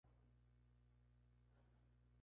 Brick Lane Gallery.